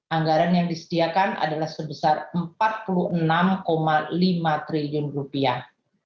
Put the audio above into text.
anggaran yang disediakan adalah sebesar empat puluh enam lima triliun rupiah